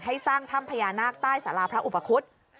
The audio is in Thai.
สร้างถ้ำพญานาคใต้สาราพระอุปคุฎ